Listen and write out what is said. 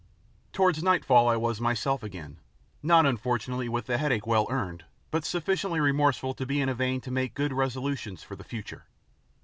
Towards nightfall I was myself again, not unfortunately with the headache well earned, but sufficiently remorseful to be in a vein to make good resolutions for the future.